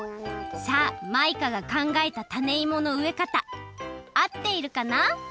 さあマイカがかんがえたタネイモのうえかたあっているかな？